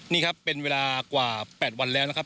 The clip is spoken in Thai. นี่ครับเป็นเวลากว่า๘วันแล้วนะครับ